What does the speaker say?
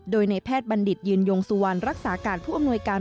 โดยในแพทย์บัณฑิตยืนยงสุวรรณรักษาการผู้อำนวยการ